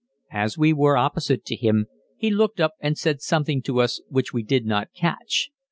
As we were opposite to him he looked up and said something to us which we did not catch.